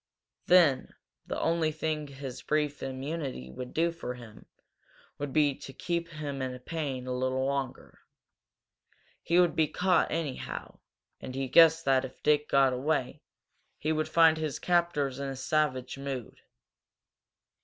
Then the only thing his brief immunity would do for him would be to keep him in pain a little longer. He would be caught anyhow, and he guessed that, if Dick got away, he would find his captors in a savage mood.